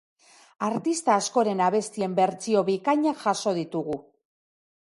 Artista askoren abestien bertsio bikainak jaso ditugu.